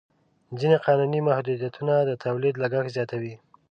ځینې قانوني محدودیتونه د تولید لګښت زیاتوي.